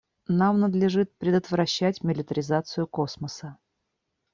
Нам надлежит предотвращать милитаризацию космоса.